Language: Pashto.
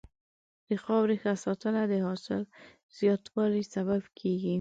د خاورې ښه ساتنه د حاصل زیاتوالي سبب کېږي.